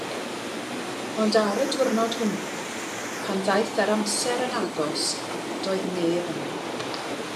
Ond ar y diwrnod hwnnw, pan ddaeth yr amser yn agos, doedd neb yno.